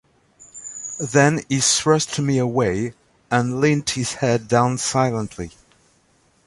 Then he thrust me away, and leant his head down silently.